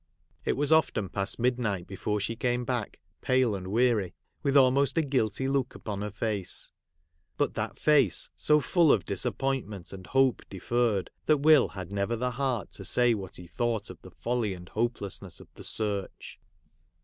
It was often past midnight before she came back, pale and weary, with almost a guilty look upon her face ; but that face so full of disap pointment and hope deferred, that Will had never the heart to say what he thought of the folly and hopelessness of the search.